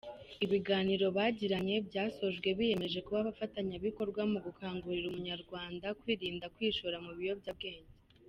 Ibiganiro bagiranye byasojwe biyemeje kuba abafatanyabikorwa mu gukangurira umuryango nyarwanda kwirinda kwishora mu biyobyabwenge.